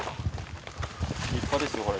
立派ですよこれ。